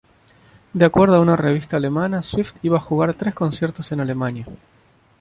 De acuerdo a una revista alemana, Swift iba a jugar tres conciertos en Alemania.